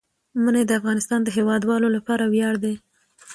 منی د افغانستان د هیوادوالو لپاره ویاړ دی.